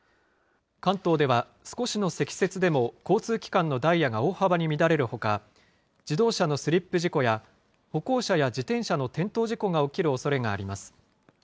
関東では少しの積雪でも交通機関のダイヤが大幅に乱れるほか、自動車のスリップ事故や、歩行者や自転車の転倒事故が起きるおそれがあります。